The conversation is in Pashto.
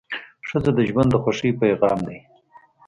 ښځه د ژوند د خوښۍ پېغام ده.